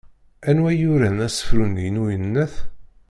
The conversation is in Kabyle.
Anwa i yuran asefru-nni n uyennat?